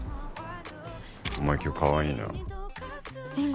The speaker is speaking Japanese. お前今日かわいいなりんご